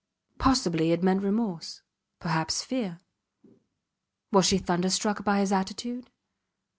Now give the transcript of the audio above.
Possibly it meant remorse perhaps fear. Was she thunderstruck by his attitude?